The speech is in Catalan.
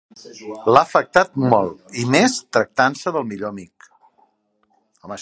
L'ha afectat molt, i més tractant-se del millor amic.